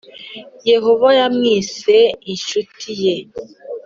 Yehova yamwise incuti ye